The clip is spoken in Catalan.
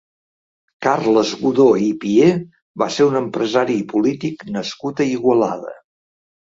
Carles Godó i Pié va ser un empresari i polític nascut a Igualada.